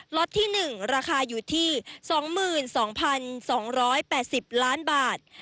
ล็อตที่๑ราคาอยู่ที่๒๒๘๐ล้านบาท